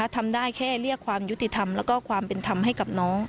ทำได้แค่เรียกความยุติธรรมแล้วก็ความเป็นธรรมให้กับน้อง